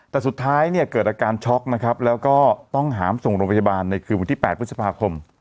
แต่สุดท้ายเนี่ยเกิดอาการช็อกนะครับแล้วก็ต้องหามส่งโรงพยาบาลในคืนวันที่๘พฤษภาคม